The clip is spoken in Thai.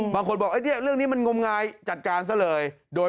บางคนบอกเนี่ยเรื่องนี้มันงมงายจัดการซะเลยโดย